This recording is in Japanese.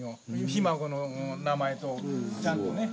ひ孫の名前ちゃんとね。